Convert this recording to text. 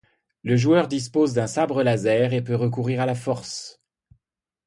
Le joueur dispose d'un sabre laser, et peut recourir à la Force.